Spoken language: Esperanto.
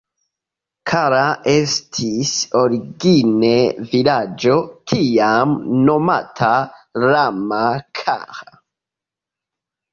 Kara estis origine vilaĝo, tiam nomata Lama-Kara.